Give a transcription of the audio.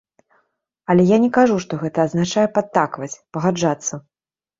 Але я не кажу, што гэта азначае падтакваць, пагаджацца.